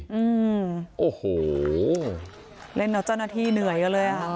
อืมโอ้โหเล่นแล้วเจ้าหน้าที่เหนื่อยกันเลยอ่ะ